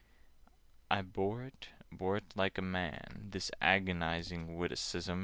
I bore it—bore it like a man— This agonizing witticism!